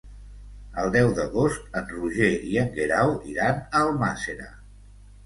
El deu d'agost en Roger i en Guerau iran a Almàssera.